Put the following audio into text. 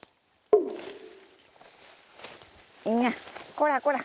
こらこら！